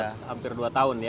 dari dua tahun ya